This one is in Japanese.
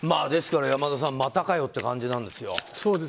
ですから、山田さんまたかよって感じなんですよ。